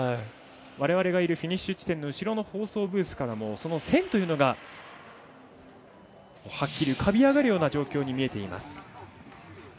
われわれがいるフィニッシュ地点の後ろの放送ブースからも線というのがはっきり浮かび上がるような状況に見えています。